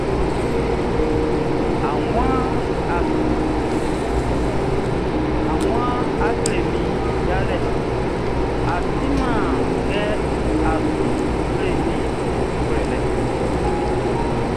A wan, a klɛ mi yalɛ, a si man kɛ, a sou klɛ mi nʼglouɛlɛ.